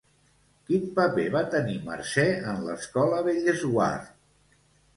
Quin paper va tenir Mercè en l'Escola Bellesguard?